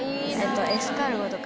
エスカルゴとか。